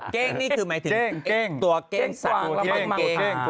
เก้งนี่คือหมายถึงตัวเก้งสัตว์